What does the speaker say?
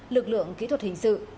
lực lượng kỹ thuật hình sự